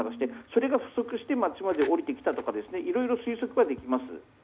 それが不足して街まで下りてきたとかいろいろ推測はできます。